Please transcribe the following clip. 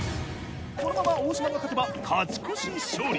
このまま大島が勝てば勝ち越し勝利！